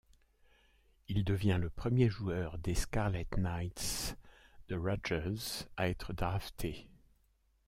Il devient le premier joueur des Scarlet Knights de Rutgers à être drafté.